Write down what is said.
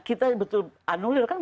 kita betul anulir kan